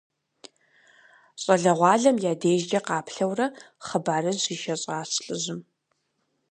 Щӏалэгъуалэм я дежкӏэ къаплъэурэ хъыбарыжь ишэщӀащ лӏыжьым.